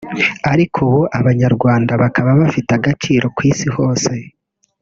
ariko ubu Abanyarwanda bakaba bafite agaciro ku isi hose